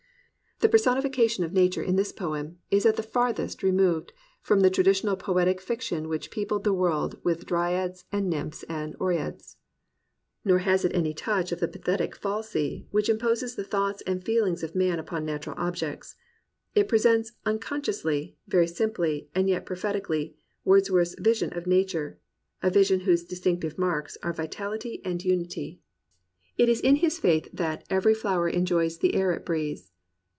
The personification of Nature in this poem is at the farthest removed from the traditional poetic fiction which peopled the world with Dryads and Nymphs and Oreads. Nor has it any touch of the "pathetic fallacy" which imposes the thoughts and feelings of man upon natural objects. It presents unconsciously, very simply, and yet prophetically, Wordsworth's vision of Nature, — a vision whose distinctive marks are vitality and unity. 213 COMPANIONABLE BOOKS It is his faith that "every flower enjoys the air it breathes.'